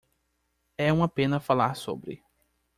É uma pena falar sobre